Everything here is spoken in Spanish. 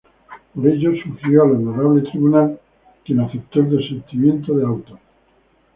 Por ello, sugirió al Honorable Tribunal, quien aceptó el desistimiento de autos.